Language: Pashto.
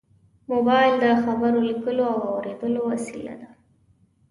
موبایل د خبرو، لیکلو او اورېدو وسیله ده.